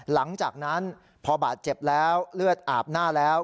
หลังจากนั้นพอบาดเจ็บแล้วเลือดอาบหน้าแล้ว